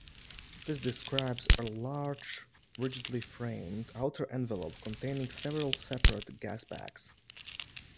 This describes a large rigidly framed outer envelope containing several separate gasbags.